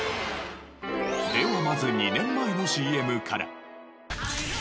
ではまず２年前のＣＭから。